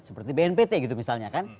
seperti bnpt gitu misalnya kan